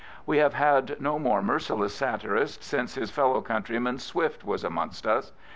We have had no more merciless satirist since his fellow countryman, Swift, was amongst us.